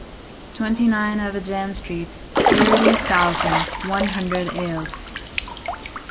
twenty-nine Avéjan street, thirty thousand, one hundred, Alès